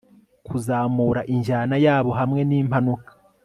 kuzamura injyana yabo hamwe nimpanuka